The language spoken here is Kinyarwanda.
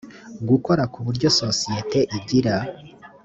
gukora ku buryo sosiyete igira